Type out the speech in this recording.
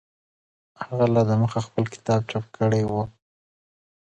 هغه لا دمخه خپل کتاب چاپ کړی و.